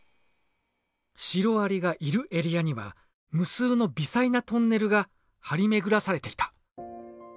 シロアリがいるエリアには無数の微細なトンネルが張り巡らされていた。